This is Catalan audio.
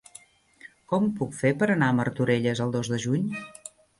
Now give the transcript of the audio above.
Com ho puc fer per anar a Martorelles el dos de juny?